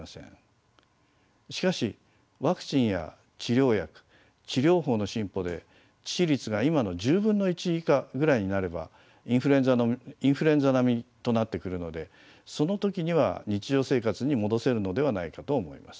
しかしワクチンや治療薬治療法の進歩で致死率が今の１０分の１以下ぐらいになればインフルエンザ並みとなってくるのでその時には日常生活に戻せるのではないかと思います。